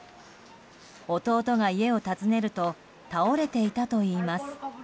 弟が家を訪ねると倒れていたといいます。